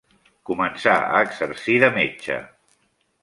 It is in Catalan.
Començà a exercir de metge.